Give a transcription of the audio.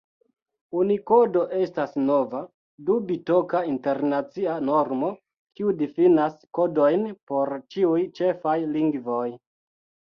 Unikodo estas nova, du-bitoka internacia normo, kiu difinas kodojn por ĉiuj ĉefaj lingvoj.